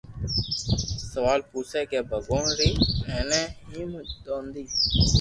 سوال پوسي ڪي ڀگوان ري ايتي ھيم دوندي